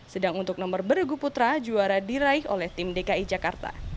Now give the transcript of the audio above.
sedang untuk nomor bergu putra juara diraih oleh tim dki jakarta